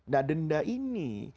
nah denda ini